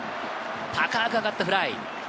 高く上がったフライ。